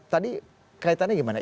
tadi kaitannya gimana